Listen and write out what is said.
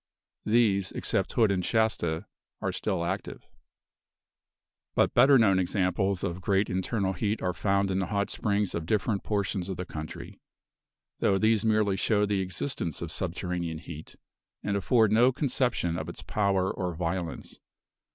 These, except Hood and Shasta, are still active. But better known examples of great internal heat are found in the hot springs of different portions of the country; though these merely show the existence of subterranean heat, and afford no conception of its power or violence.